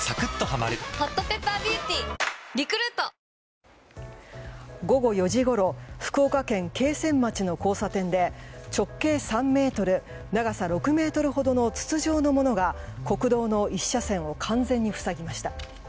ぷはーっ午後４時ごろ福岡県桂川町の交差点で直径３ｍ長さ６ｍほどの筒状のものが国道の１車線を完全に塞ぎました。